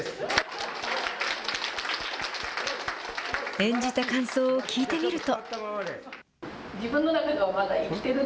演じた感想を聞いてみると。